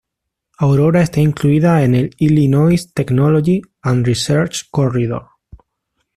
Aurora está incluida en el Illinois Technology and Research Corridor.